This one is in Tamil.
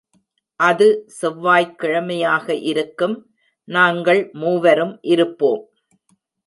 அது செவ்வாய்க்கிழமையாக இருக்கும்; நாங்கள் மூவரும் இருப்போம்.